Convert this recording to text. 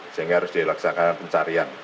sehingga harus dilaksanakan pencarian